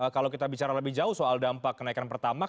kalau kita bicara lebih jauh soal dampak kenaikan pertamax